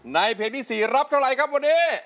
ในเพลงที่๔รับเท่าไรครับวันนี้